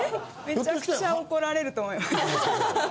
めちゃくちゃ怒られると思います。